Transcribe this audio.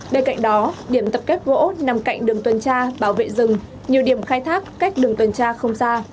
bên cạnh đó điểm tập kết gỗ nằm cạnh đường tuần tra bảo vệ rừng nhiều điểm khai thác cách đường tuần tra không xa